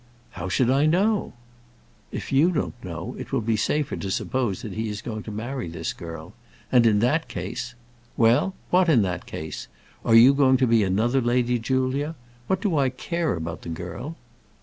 "How should I know?" "If you don't know, it will be safer to suppose that he is going to marry this girl; and in that case " "Well, what in that case? Are you going to be another Lady Julia? What do I care about the girl?"